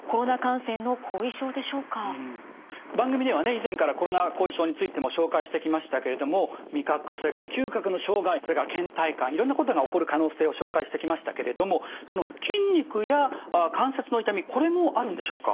以前からコロナ後遺症についても紹介してきましたけれども味覚それから嗅覚の障害それからけん怠感いろんなことが起こる可能性を紹介してきましたけれども筋肉や関節の痛みこれもあるんでしょうか？